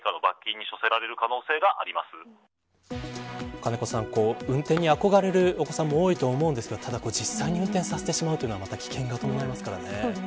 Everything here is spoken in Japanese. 金子さん、運転に憧れるお子さんも多いとは思うんですがただ実際に運転させてしまうのでは危険も伴いますからね。